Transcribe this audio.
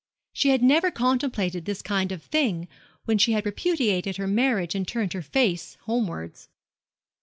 She had never contemplated this kind of thing when she repudiated her marriage and turned her face homewards.